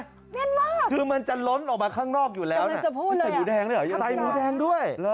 แน่นมากคือมันจะล้นออกมาข้างนอกอยู่แล้วเนี่ยใส่หมูแดงด้วย